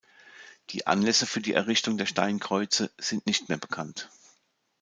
Die Anlässe für die Errichtung der Steinkreuze sind nicht mehr bekannt.